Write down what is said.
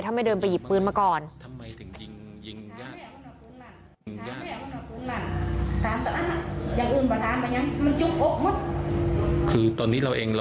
ถ้าไม่เดินไปหยิบปืนมาก่อน